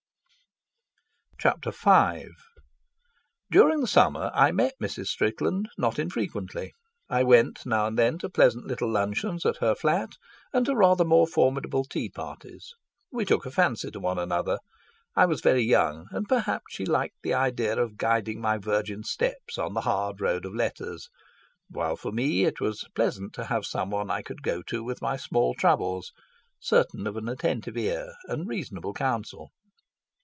Chapter V During the summer I met Mrs. Strickland not infrequently. I went now and then to pleasant little luncheons at her flat, and to rather more formidable tea parties. We took a fancy to one another. I was very young, and perhaps she liked the idea of guiding my virgin steps on the hard road of letters; while for me it was pleasant to have someone I could go to with my small troubles, certain of an attentive ear and reasonable counsel.